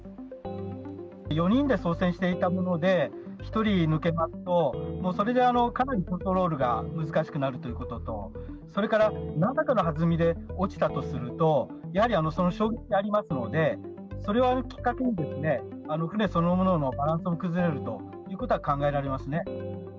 ４人で操船していたもので、１人抜けますと、それでかなりコントロールが難しくなるということと、それから、なんらかのはずみで落ちたとすると、やはりその衝撃がありますので、それをきっかけに船そのもののバランスも崩れるということは考えられますね。